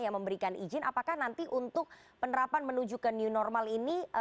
yang memberikan izin apakah nanti untuk penerapan menuju ke new normal ini